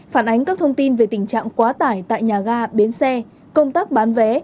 phản ánh các thông tin về tình trạng quá tải tại nhà ga bến xe công tác bán vé